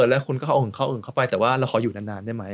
แล้วคุณก็เอาเข้าอื่นเข้าไปแต่ว่าเราขออยู่นานได้ไหม